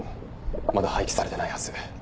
まだ廃棄されてないはず。